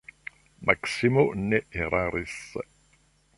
Maksimo ne eraris.